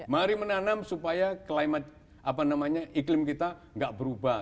mari menanam supaya iklim kita nggak berubah